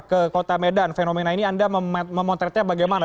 ke kota medan fenomena ini anda memotretnya bagaimana